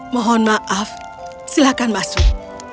mohon maaf silakan masuk